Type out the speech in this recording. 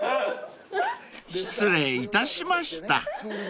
［失礼いたしました］